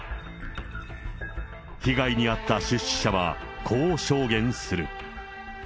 被害に遭った出資者は、こう証言する。